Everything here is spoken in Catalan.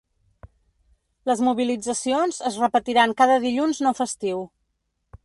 Les mobilitzacions es repetiran cada dilluns no festiu.